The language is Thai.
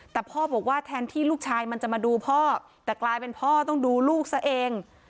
แต่พ่อบอกว่าแทนที่ลูกชายมันจะมาดูพ่อแต่กลายเป็นพ่อต้องดูลูกซะเอง